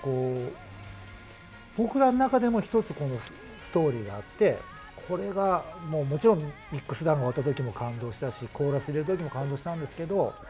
僕らの中でも１つストーリーがあってこれがもちろんミックスダウンが終わった時も感動したしコーラスを入れた時も感動したんですけど